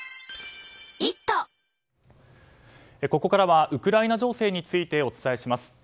ここからはウクライナ情勢についてお伝えします。